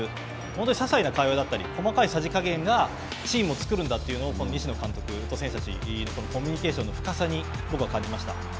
本当にささいな会話だったり、細かいさじ加減がチームを作るんだというのを、この西野監督とこのコミュニケーションの深さに僕は感じました。